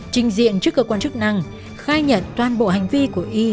trình diện trước cơ quan chức năng khai nhận toàn bộ hành vi của y